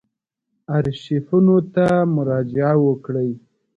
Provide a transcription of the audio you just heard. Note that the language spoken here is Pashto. آرشیفونو ته مراجعه وکړو.